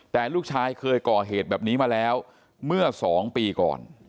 แต่ลูกชายเคยก่อเหตุแบบนี้มาแล้วเมื่อ๒ปีก่อน